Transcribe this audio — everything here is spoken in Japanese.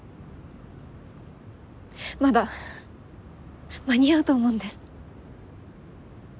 まだ間に合うと思うんです。